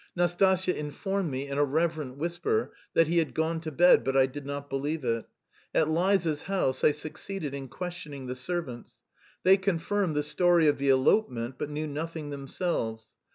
Nastasya informed me, in a reverent whisper, that he had gone to bed, but I did not believe it. At Liza's house I succeeded in questioning the servants. They confirmed the story of the elopement, but knew nothing themselves.